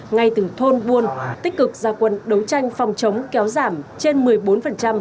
ngay từ thôn buôn tích cực gia quân đấu tranh phòng chống kéo giảm trên một mươi bốn